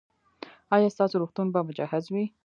ایا ستاسو روغتون به مجهز وي؟